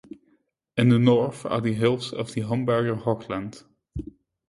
In the north are the hills of the "Homberger Hochland".